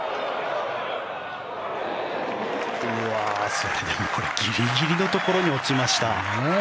それでもこれギリギリのところに落ちました。